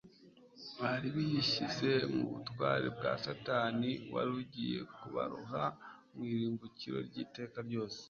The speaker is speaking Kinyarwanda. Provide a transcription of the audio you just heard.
Bari bishyize mu butware bwa Satani wari ugiye kubaroha mu irimbukiro ry'iteka ryose.